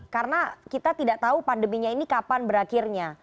karena kita tidak tahu pandeminya ini kapan berakhirnya